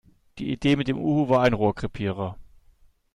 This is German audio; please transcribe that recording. Die Idee mit dem Uhu war ein Rohrkrepierer.